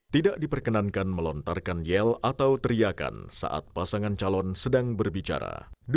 tidak diperkenankan melontarkan yel atau teriakan saat pasangan calon sedang berbicara